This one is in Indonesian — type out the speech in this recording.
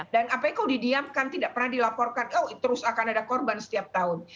dan apanya kalau didiamkan tidak pernah dilaporkan oh terus akan ada korban setiap tahun